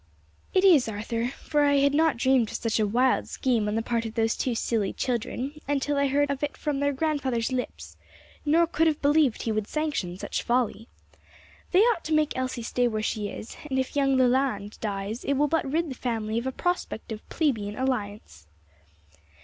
"It is, Arthur, for I had not dreamed of such a wild scheme on the part of those two silly children until I heard of it from their grandfather's lips; nor could have believed he would sanction such folly. They ought to make Elsie stay where she is, and if young Leland dies it will but rid the family of a prospective plebeian alliance."